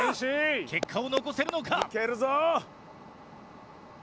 結果を残せるのか？